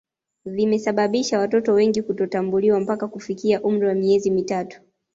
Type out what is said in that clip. vimesababisha watoto wengi kutotambuliwa mpaka kufikia umri wa miezi mitatu